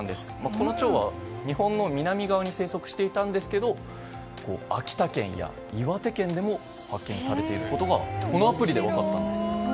このチョウは日本の南側に生息していたんですけど秋田県や岩手県でも発見されていることがこのアプリで分かったんです。